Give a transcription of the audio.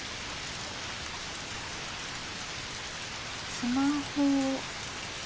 スマホ。